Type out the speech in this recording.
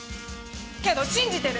けど信じてる！